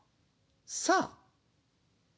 「さあ」？